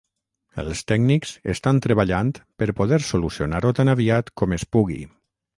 Els tècnics estan treballant per poder solucionar-ho tan aviat com es pugui.